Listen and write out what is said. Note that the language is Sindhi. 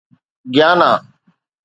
گيانا